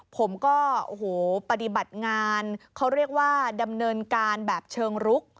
ผมก็โอ้โหปฏิบัติงานเขาเรียกว่าดำเนินการแบบเชิงรุก